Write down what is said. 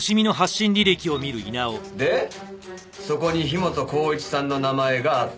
でそこに樋本晃一さんの名前があった。